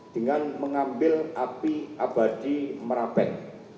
dengan mengambil api abadi merapen